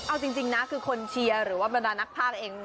เอาจริงนะคือคนเชียร์ทางด้านนักภาคเอง